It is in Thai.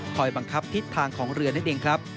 บังคับทิศทางของเรือนั่นเองครับ